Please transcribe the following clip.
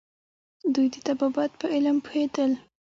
دوی د طبابت په علم پوهیدل